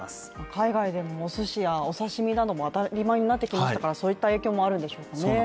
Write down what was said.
海外でもおすしやお刺身なども当たり前になってきましたからそういった影響もあるんでしょうね。